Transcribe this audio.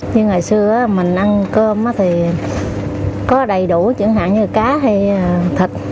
như ngày xưa mình ăn cơm thì có đầy đủ chẳng hạn như cá hay thịt